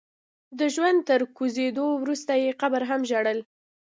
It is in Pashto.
د ژوند تر کوزېدو وروسته يې قبر هم ژړل.